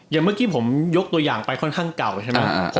อย่างเมื่อกี้ผมยกตัวอย่างไปค่อนข้างเก่าใช่ไหม